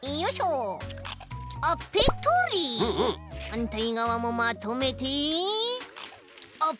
はんたいがわもまとめてあ